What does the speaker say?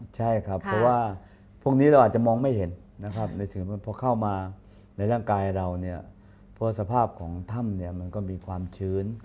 ใช่ครับเพราะว่าพวกนี้เราอาจจะมองไม่เห็นนะครับในสื่อพอเข้ามาในร่างกายเราเนี่ยเพราะสภาพของถ้ำเนี่ยมันก็มีความชื้น